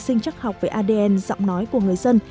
sinh chắc học về adn giọng nói của người dân